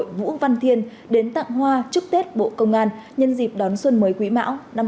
tổng giám mục tổng giáo phận hà nội vũ văn thiên đến tặng hoa trước tết bộ công an nhân dịp đón xuân mới quỹ mão năm hai nghìn hai mươi ba